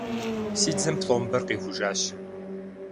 Си дзэм пломбэр къихужащ.